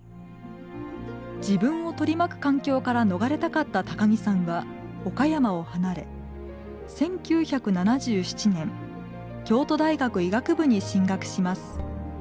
自分を取り巻く環境から逃れたかった高木さんは岡山を離れ１９７７年京都大学医学部に進学します。